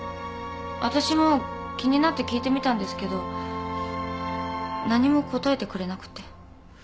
わたしも気になって聞いてみたんですけど何も答えてくれなくて。